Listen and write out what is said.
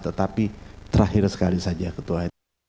tetapi terakhir sekali saja ketua